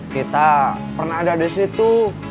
kita pernah ada di situ